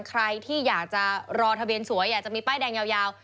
ใครที่อยากจะรอทะเบียนสวยอยากจะมีป้ายแดงยาว